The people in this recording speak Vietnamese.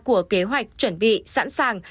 của kế hoạch chuẩn bị sẵn sàng